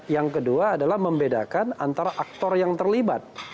yang kedua adalah membedakan antara aktor yang terlibat